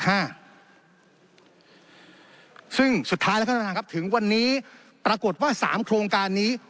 ซึ่งสุดท้ายแล้วท่านประธานครับถึงวันนี้ปรากฏว่าสามโครงการนี้